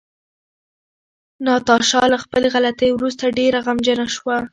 ناتاشا له خپلې غلطۍ وروسته ډېره غمجنه شوه.